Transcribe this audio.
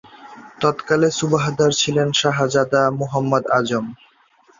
তৎকালে সুবাহদার ছিলেন শাহজাদা মুহম্মদ আজম।